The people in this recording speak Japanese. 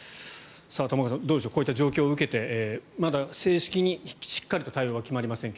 玉川さん、どうでしょうこういった状況を受けてまだ正式にしっかり決定はしていませんが。